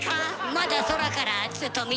まだ空からずっと見てるぞ。